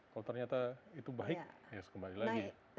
kalau ternyata itu baik ya kembali lagi